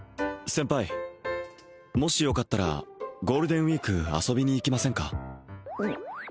先輩もしよかったらゴールデンウイーク遊びに行きませんか？